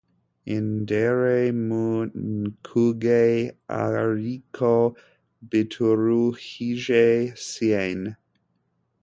indere mu nkuge ariko bituruhije cyane